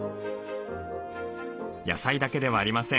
野菜だけではありません。